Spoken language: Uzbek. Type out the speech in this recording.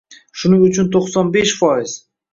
Shuning uchun to'qson besh foiz